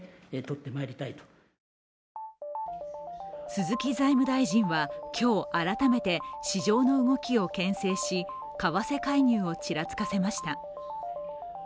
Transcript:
鈴木財務大臣は今日改めて市場の動きをけん制し為替介入をちらつかせました。